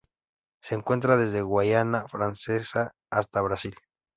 Se encuentra desde la Guayana Francesa hasta Brasil.